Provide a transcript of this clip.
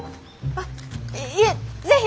あっいえ是非！